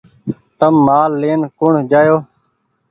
تم مآل لين ڪون جآئو